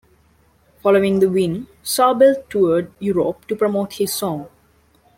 Following the win, Sarbel toured Europe to promote his song.